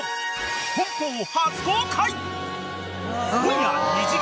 本邦初公開！